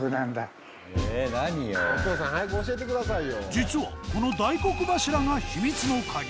実はこの大黒柱が秘密の鍵。